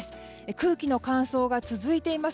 空気の乾燥が続いています。